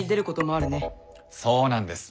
そうなんです。